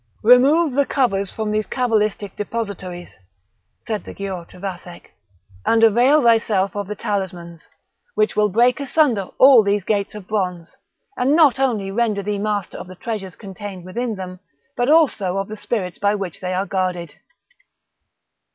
"Remove the covers from these cabalistic depositories," said the Giaour to Vathek, "and avail thyself of the talismans, which will break asunder all these gates of bronze; and not only render thee master of the treasures contained within them, but also of the spirits by which they are guarded."